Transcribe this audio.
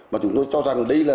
và chúng tôi cho rằng đây là